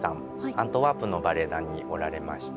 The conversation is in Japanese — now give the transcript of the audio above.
アントワープのバレエ団におられました。